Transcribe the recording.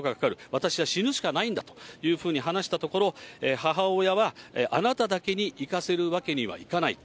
私は死ぬしかないんだというふうに話したところ、母親は、あなただけにいかせるわけにはいかない。